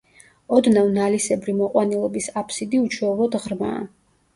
ოდნავ ნალისებრი მოყვანილობის აფსიდი უჩვეულოდ ღრმაა.